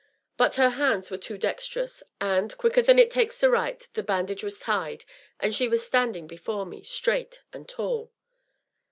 But her hands were all too dexterous, and, quicker than it takes to write, the bandage was tied, and she was standing before me, straight and tall.